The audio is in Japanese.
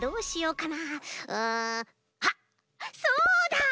うんあっそうだ！